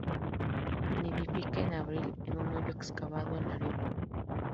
Nidifica en abril, en un hoyo excavado en la arena.